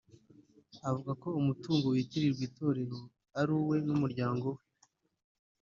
avuga ko umutungo witirirwa itorero ari uwe n’umuryango we